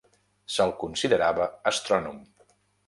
Se'l considerava astrònom.